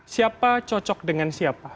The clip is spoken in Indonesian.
siapa cocok dengan siapa